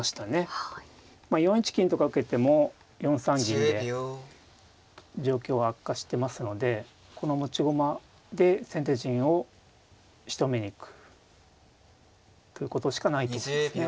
４一金とか受けても４三銀で状況が悪化してますのでこの持ち駒で先手陣をしとめに行くことしかないとこですね。